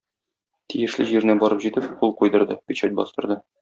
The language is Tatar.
Тиешле җиренә барып җитеп, кул куйдырды, печать бастырды.